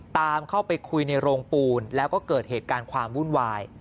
ตามเข้าไปคุยในโรงปูนแล้วก็เกิดเหตุการณ์ความวุ่นวาย